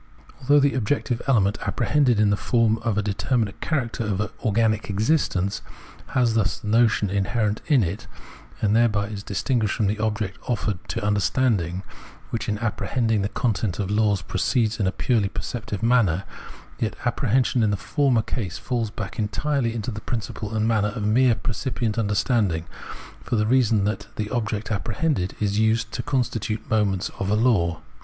Although the objective element, apprehended in the form of a determinate character of organic existence, has thus the notion inherent in it, and thereby is distin Observation of Organic Nature 269 guished from the object offered to understanding, which in apprehending the content of its laws proceeds in a purely perceptive manner, yet apprehension in the former case falls back entirely into the principle and manner of mere percipient understanding, for the reason that the object apprehended is used to constitute moments of a law.